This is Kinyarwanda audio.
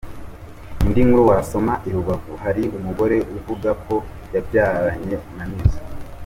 Indi nkuru wasoma : I Rubavu hari umugore uvuga ko yabyaranye na Nizzo.